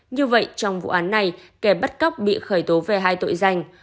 như vậy trong vụ án này kẻ bắt cóc bị khởi tố về hai tội danh